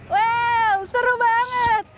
wow seru banget